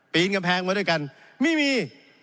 กำแพงมาด้วยกันไม่มี